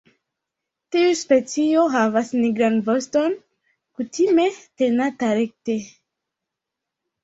Tiu specio havas nigran voston kutime tenata rekte.